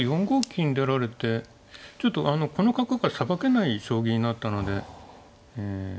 ４五金出られてちょっとこの角がさばけない将棋になったので。